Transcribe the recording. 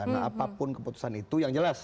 nah apapun keputusan itu yang jelas